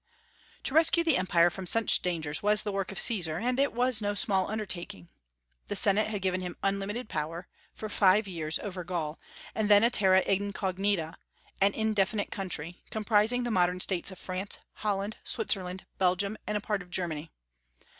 To rescue the Empire from such dangers was the work of Caesar; and it was no small undertaking. The Senate had given him unlimited power, for five years, over Gaul, then a terra incognita, an indefinite country, comprising the modern States of France, Holland, Switzerland, Belgium, and a part of Germany.